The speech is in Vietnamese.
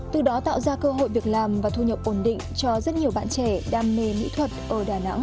từ đó tạo ra cơ hội việc làm và thu nhập ổn định cho rất nhiều bạn trẻ đam mê mỹ thuật ở đà nẵng